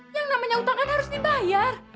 yang namanya utang kan harus dibayar